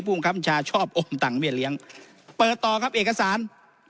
ผู้ของคัมชาชอบโอมตังเบี้ยเลี้ยเปิดต่อครับเอกสาร